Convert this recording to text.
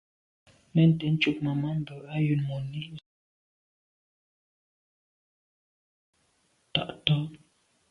Mɛ́n tɛ̌n cúp màmá mbə̄ á jə́n mùní zə̄ bàk lù gə́ ndzjɛ̂k ŋkɔ̀k tǒ tàh tó.